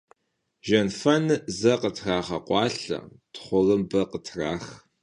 Жьэнфэныр зэ къытрагъэкъуалъэ, тхъурымбэр къытрах.